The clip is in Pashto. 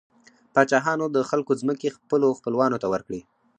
پاچاهانو د خلکو ځمکې خپلو خپلوانو ته ورکړې.